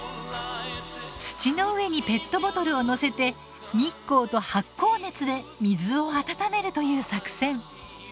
土の上にペットボトルを載せて日光と発酵熱で水を温めるという作戦。